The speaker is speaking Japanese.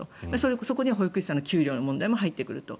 そこには保育士さんの給料の問題が入ってくる。